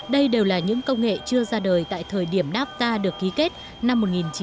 đây đều là những công nghệ chưa ra đời tại thời điểm napta được ký kết năm một nghìn chín trăm chín mươi bốn